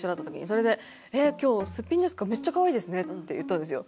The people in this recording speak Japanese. それで「今日すっぴんですか？めっちゃかわいいですね」って言ったんですよ。